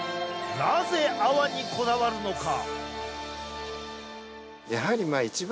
なぜ泡にこだわるのか？